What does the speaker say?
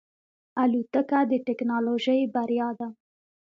الوتکه د ټکنالوژۍ بریا ده.